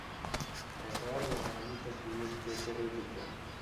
بغیر روحانی تقویت کے، کرے بھی کیا۔